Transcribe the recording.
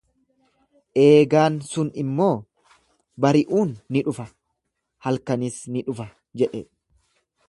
Eegaan sun immoo, bari'uun ni dhufa, halkanis ni dhufa jedhe.